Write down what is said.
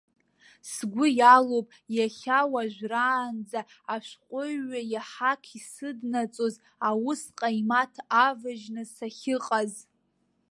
Сгәы иалоуп иахьауажәраанӡа ашәҟәыҩҩы иҳақ исыднаҵоз аус ҟаимаҭ аважьны сахьыҟаз.